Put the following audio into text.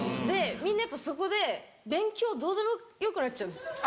みんなやっぱそこで勉強どうでもよくなっちゃうんですよ。